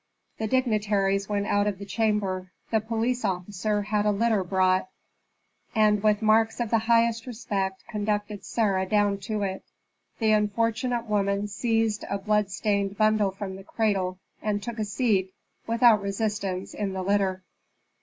The dignitaries went out of the chamber. The police officer had a litter brought, and with marks of the highest respect conducted Sarah down to it. The unfortunate woman seized a blood stained bundle from the cradle, and took a seat, without resistance, in the litter.